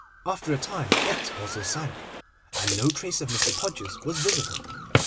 After a time it also sank, and no trace of Mr. Podgers was visible.